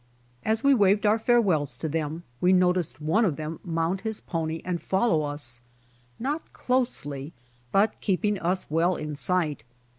As we waved our farewells to them, we noticed one of them mount his pony and follow us, not closely, but keeping us well in sight.